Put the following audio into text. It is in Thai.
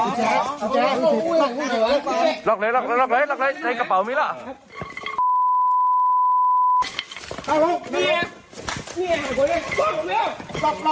ดูไหนหลอกเลยหลอกเลยหลอกเลยหลอกเลยในกระเป๋ามี้แหละ